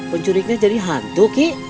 penculiknya jadi hantu